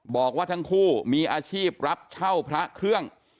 บอกว่าทั้งคู่มีอาชีพรับเช่าพระเครื่อง